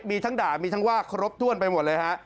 มีทั้งด่ามีทั้งว่าครบถ้วนไปหมดเลยฮะ